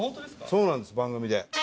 そうなんです番組で。